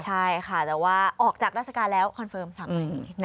ใช่ค่ะแต่ว่าออกจากราชการแล้วคอนเฟิร์ม๓นายนะคะ